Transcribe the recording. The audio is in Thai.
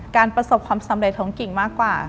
ประสบความสำเร็จท้องกิ่งมากกว่า